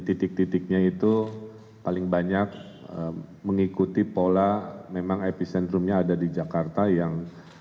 titik titiknya itu paling banyak mengikuti pola memang epicentrumnya ada di jakarta yang